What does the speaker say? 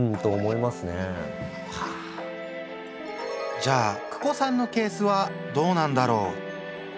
じゃあＫＵＫＯさんのケースはどうなんだろう？